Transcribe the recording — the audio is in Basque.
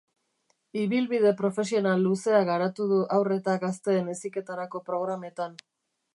Ibilbide profesional luzea garatu du haur eta gazteen heziketarako programetan.